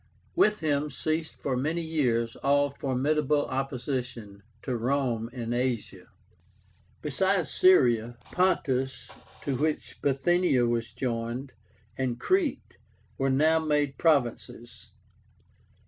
With him ceased for many years all formidable opposition to Rome in Asia. Besides Syria, Pontus, to which Bithynia was joined, and Crete were now made provinces.